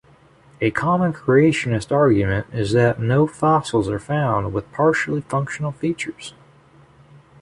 A common creationist argument is that no fossils are found with partially functional features.